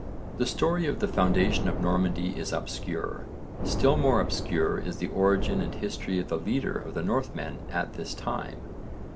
The story of the foundation of Normandy is obscure: still more obscure is the origin and history of the leader of the Northmen at this time.